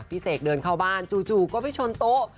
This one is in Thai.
เสกเดินเข้าบ้านจู่ก็ไปชนโต๊ะ